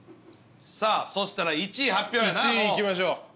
さあそしたら１位発表やなもう。